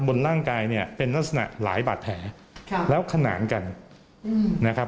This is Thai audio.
บนร่างกายเนี่ยเป็นลักษณะหลายบาดแผลแล้วขนานกันนะครับ